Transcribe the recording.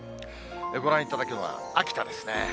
ご覧いただくのは秋田ですね。